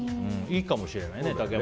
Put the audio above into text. いいかもしれないね。